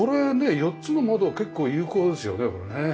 ４つの窓は結構有効ですよねこれね。